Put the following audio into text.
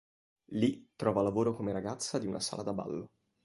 Lì, trova lavoro come ragazza di una sala da ballo.